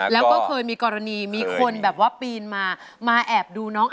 แล้วก็เคยมีกรณีมีคนแบบว่าปีนมามาแอบดูน้อง